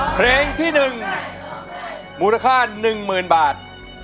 เพลงที่๑มูลค่า๑๐๐๐บาท